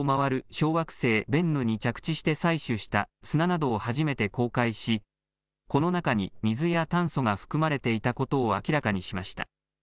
小惑星ベンヌに着地して採取した砂などを初めて公開しこの中に水や炭素が含まれていたことを明らかにしました。